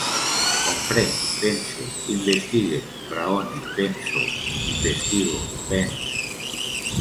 Comprenc, pense, investigue, raone, penso, investigo, pens.